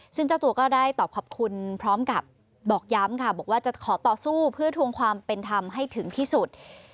ซึ่งเจ้าตัวก็ได้ตอบขอบคุณพร้อมกับบอกย้ำค่ะบอกว่าจะขอต่อสู้เพื่อทวงความเป็นธรรมให้ถึงที่สุด